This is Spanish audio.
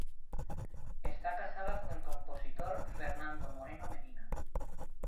Está casada con el compositor Fernando Moreno Medina.